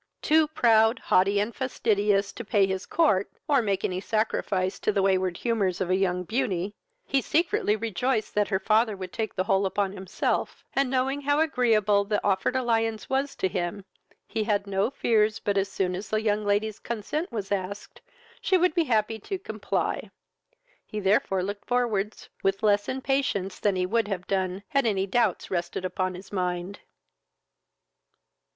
Too proud, haughty, and fastidious, to pay his court, or make any sacrifice to the wayward humours of a young beauty, he secretly rejoiced that her father would take the whole upon himself; and, knowing how agreeable the offered alliance was to him, he had no fears but as soon as the young lady's consent was asked, she would be happy to comply; he therefore looked forwards with less impatience than he would have done, had any doubts rested upon his mind.